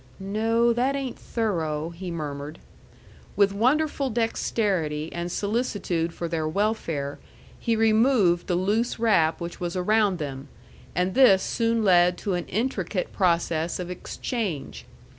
"No, that ain't thorough," he murmured. With wonderful dexterity and solicitude for their wellfare, he removed the loose wrap which was around them, and this soon led to an intricate process of exchange.